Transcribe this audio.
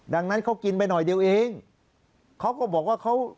ดังนั้นเขากินไปหน่อยเดียวเองเขาก็บอกว่าเขา